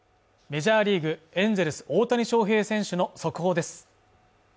メジャーリーグエンゼルス大谷翔平選手の速報です